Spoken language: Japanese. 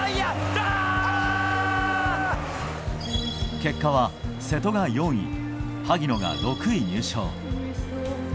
結果は瀬戸が４位萩野が６位入賞。